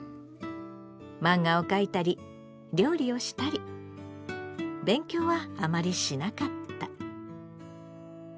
マンガを描いたり料理をしたり勉強はあまりしなかった。